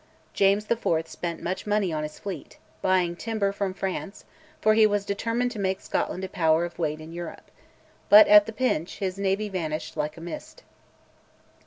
James IV. spent much money on his fleet, buying timber from France, for he was determined to make Scotland a power of weight in Europe. But at the pinch his navy vanished like a mist.